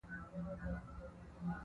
زه خبریال یم.